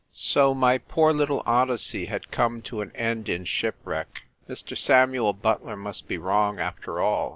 So my poor little Odyssey had come to an end in shipwreck ! Mr. Samuel Butler must be wrong, after all.